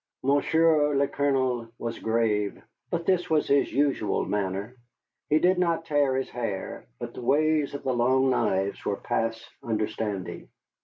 Monsieur le Colonel was grave, but this was his usual manner. He did not tear his hair, but the ways of the Long Knives were past understanding.